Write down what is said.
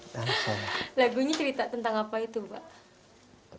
lagunya cerita tentang apa itu pak